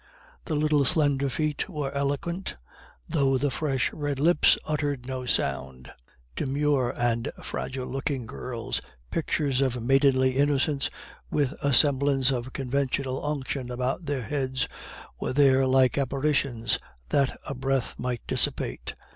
The little slender feet were eloquent, though the fresh red lips uttered no sound. Demure and fragile looking girls, pictures of maidenly innocence, with a semblance of conventional unction about their heads, were there like apparitions that a breath might dissipate.